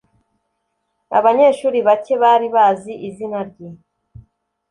abanyeshuri bake bari bazi izina rye